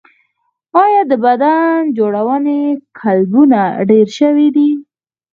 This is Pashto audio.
آیا د بدن جوړونې کلبونه ډیر شوي؟